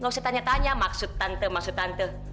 nggak usah tanya tanya maksud tante maksud tante